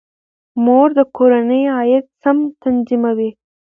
مور د کورنۍ عاید سم تنظیموي.